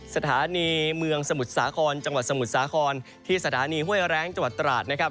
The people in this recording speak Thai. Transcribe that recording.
สถานีเมืองสมุทรสาครจังหวัดสมุทรสาครที่สถานีห้วยแรงจังหวัดตราดนะครับ